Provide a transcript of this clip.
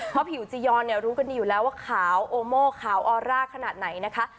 เพราะผิวจียอนเนี่ยรู้กันดีอยู่แล้วว่าขาวโอโมขาวออร่าขนาดไหนนะคะ